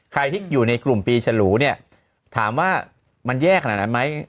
ใครที่อยู่ในกลุ่มปีฉลูเนี่ยถามว่ามันแย่ขนาดนั้นไหม